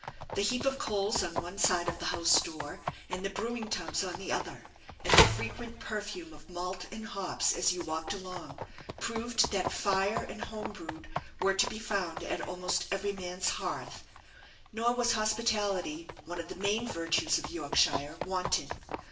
The heap of coals on one side of the house door, and the brewing tubs on the other, and the frequent perfume of malt and hops as you walked along, proved that fire and 'home brewed' were to be found at almost every man's hearth. Nor was hospitality, one of the main virtues of Yorkshire, wanting.